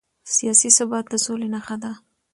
سیاسي ثبات د سولې نښه ده